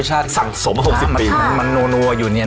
เฮียมีกี่หม้อคะแบบนี้